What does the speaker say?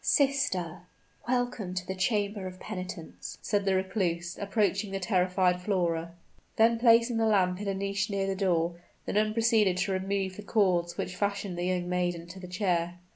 "Sister, welcome to the chamber of penitence!" said the recluse, approaching the terrified Flora. Then, placing the lamp in a niche near the door, the nun proceeded to remove the cords which fastened the young maiden to the chair.